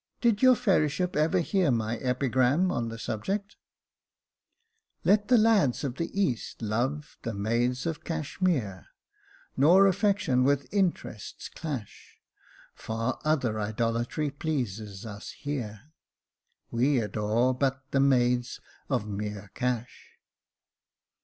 Did your fairyship ever hear my epigram on the subject ? 268 Jacob Faithful " Let the lads of the East love the maids of Cash meer, Nor affection with interests clash ; Far other idolatry pleases us here, We adore but the maids of Mere Cash.''